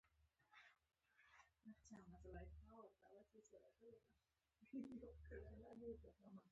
هغه تږی شو او اوبه یې پیدا نه کړې.